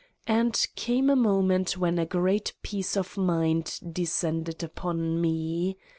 And came a moment when a great peace of mind descended npon me.